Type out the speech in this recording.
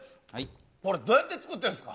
これ、どうやって作ってるんですか？